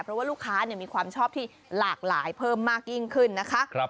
เพราะว่าลูกค้ามีความชอบที่หลากหลายเพิ่มมากยิ่งขึ้นนะคะ